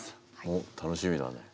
おっ楽しみだね。